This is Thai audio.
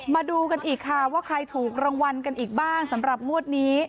มาดูกันอีกค่ะว่าใครถูกรางวัลกันอีกบ้างสำหรับงวดนี้